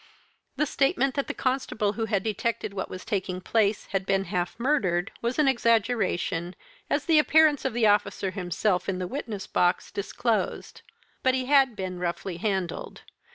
The statement that the constable who had detected what was taking place had been half murdered was an exaggeration, as the appearance of the officer himself in the witness box disclosed. But he had been roughly handled.